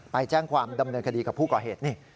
ไปแจ้งความดำเนินคดีกับผู้ก่อเหตุนี่